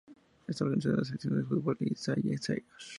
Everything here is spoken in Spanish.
Esta organiza la selección de fútbol de Seychelles.